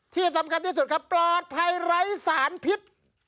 ที่สำคัญที่สุดครับปลอดภัยไร้สารพิษ